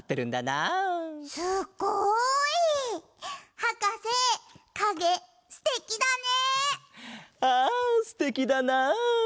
ああすてきだな。